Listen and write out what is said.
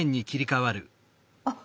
あっ！